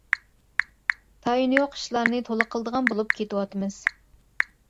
تايىنى يوق ئىشلارنى تولا قىلىدىغان بولۇپ كېتىۋاتىمىز.